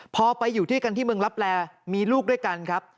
พอไปอยู่ที่เมืองลับแร่มีลูกด้วยกันครับ